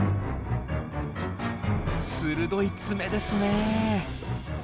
鋭い爪ですね！